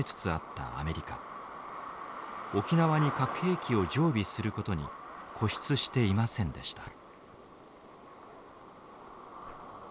沖縄に核兵器を常備することに固執していませんでした。